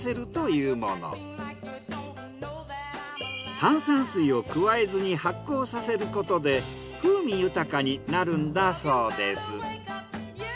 炭酸水を加えずに発酵させることで風味豊かになるんだそうです。